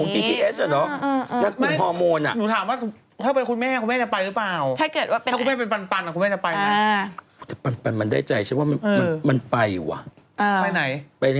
จะไปด้วยกันนางแก๊งของเขาอีกแล้วอะไรแบบนี้